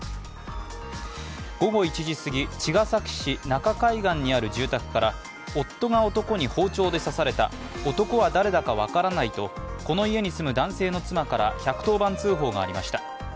午後１時すぎ、茅ヶ崎市中海岸にある住宅から夫が男に包丁で刺された、男は誰だか分からないとこの家に住む男性の妻から１１０番通報がありました。